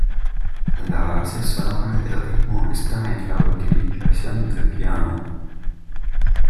La base sonora del ritmo está en la utilización del piano.